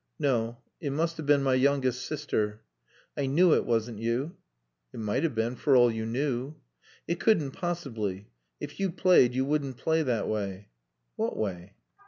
"No. It must have been my youngest sister." "I knew it wasn't you." "It might have been for all you knew." "It couldn't possibly. If you played you wouldn't play that way." "What way?"